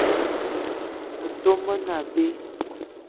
Metom me ne abe.